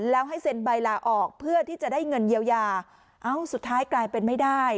แล้วให้เซ็นใบลาออกเพื่อที่จะได้เงินเยียวยาเอ้าสุดท้ายกลายเป็นไม่ได้